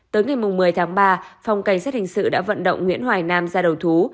tới ngày một mươi tháng ba phòng cảnh sát hình sự đã vận động nguyễn hoài nam ra đầu thú